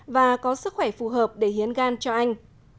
và có sức khỏe phù hợp để hiến gan cho anh